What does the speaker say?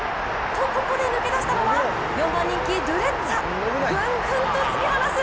ここで抜け出したのは４番人気ドゥレッツァ、ぐんぐんと突き放す！